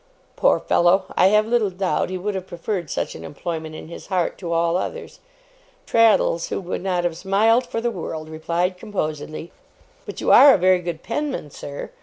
Poor fellow! I have little doubt he would have preferred such an employment in his heart to all others. Traddles, who would not have smiled for the world, replied composedly: 'But you are a very good penman, sir.